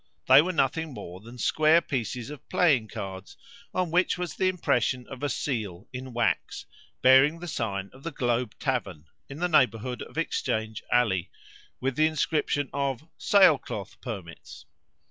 They were nothing more than square pieces of playing cards, on which was the impression of a seal, in wax, bearing the sign of the Globe Tavern, in the neighbourhood of Exchange Alley, with the inscription of "Sail Cloth Permits."